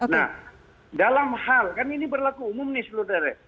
nah dalam hal kan ini berlaku umum nih seluruh daerah